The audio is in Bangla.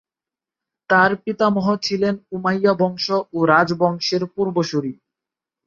তাঁর পিতামহ ছিলেন উমাইয়া বংশ ও রাজবংশের পূর্বসূরী।